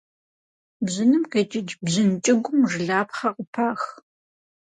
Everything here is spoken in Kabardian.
Бжьыным къикӏыкӏ бжьын кӏыгум жылапхъэ къыпах.